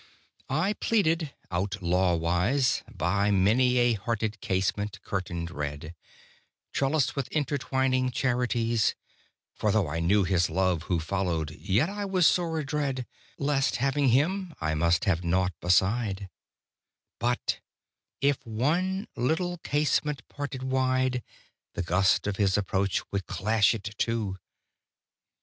I pleaded, out law wise, By many a hearted casement, curtained red, Trellised with intertwining charities (For, though I knew His love Who followèd, Yet was I sore adread Lest, having Him, I must have naught beside); But, if one little casement parted wide, The gust of His approach would clash it to.